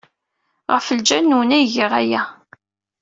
Ɣef lǧal-nwen ay giɣ aya.